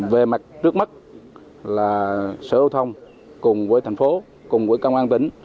về mặt trước mắt là sở hữu thông cùng với thành phố cùng với công an tỉnh